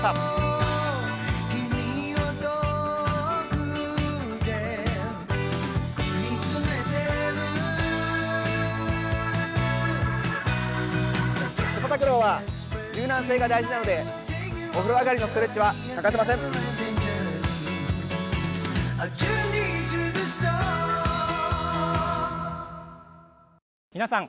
セパタクローは柔軟性が大事なので、お風呂上がりのストレッチは欠かせません。